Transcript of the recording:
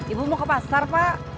ibu mau ke pasar pak